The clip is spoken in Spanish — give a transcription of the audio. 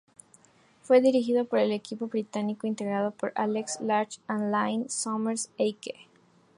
Fue dirigido por el equipo británico integrado por Alex Large and Liane Sommers, a.k.a.